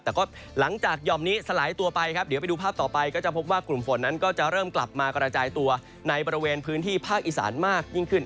แต่ก็หลังจากหย่อมนี้สลายตัวไปครับเดี๋ยวไปดูภาพต่อไปก็จะพบว่ากลุ่มฝนนั้นก็จะเริ่มกลับมากระจายตัวในบริเวณพื้นที่ภาคอีสานมากยิ่งขึ้น